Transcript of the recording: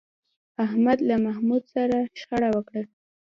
احمد له محمود سره شخړه وکړه